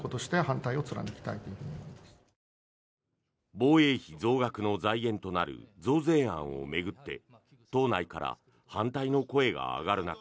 防衛費増額の財源となる増税案を巡って党内から反対の声が上がる中